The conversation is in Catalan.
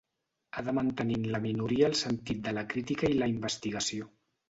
Ha de mantenir en la minoria el sentit de la crítica i la investigació.